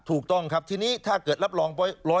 ถูกต้องครับทีนี้ถ้าเกิดรับรอง๑๐